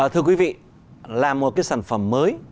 thưa quý vị là một cái sản phẩm mới